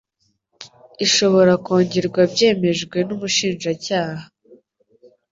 ishobora kongerwa byemejwe n'Umushinjacyaha